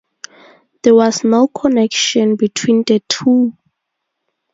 There was no connection between the two.